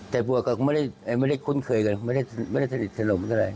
แต่บวกก็ไม่ได้คุ้นเคยกันไม่ได้สนิทสนุกกันเท่าไร